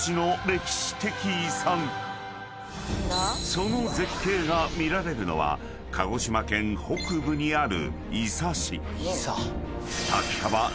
［その絶景が見られるのは鹿児島県北部にある］